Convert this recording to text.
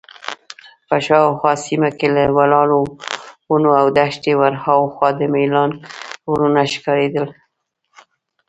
په شاوخوا سیمه کې له ولاړو ونو او دښتې ورهاخوا د میلان غرونه ښکارېدل.